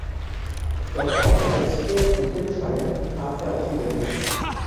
Doch auch als Herr von Hampshire traf er auf Widerstand.